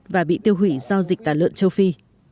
và bị tiêu hủy do dịch tàn lợn châu phi